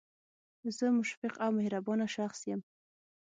زه مشفق او مهربانه شخص یم